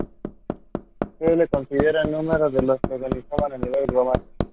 Se le considera el número dos de la organización a nivel global.